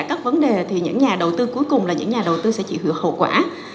tất cả các vấn đề thì những nhà đầu tư cuối cùng là những nhà đầu tư sẽ chịu hữu hậu quả